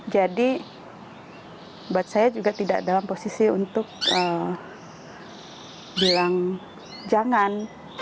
jadi buat saya juga tidak dalam posisi untuk bilang jangan